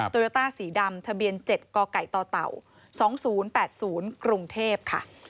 ตัวยาตาสีดำทะเบียน๗กกตต๒๐๘๐กรุงเทพฯค่ะ